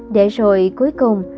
để rồi cuối cùng